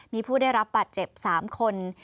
มีผู้ได้รับบาดเจ็บ๓คน